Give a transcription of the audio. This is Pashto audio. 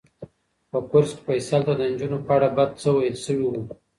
په کورس کې فیصل ته د نجونو په اړه بد څه ویل شوي وو.